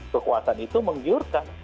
kekuasaan itu menggiurkan